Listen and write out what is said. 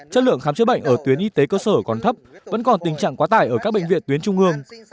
chất lượng khám chữa bệnh ở tuyến y tế cơ sở còn thấp vẫn còn tình trạng quá tải ở các bệnh viện tuyến trung ương